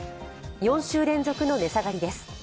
４週連続の値下がりです。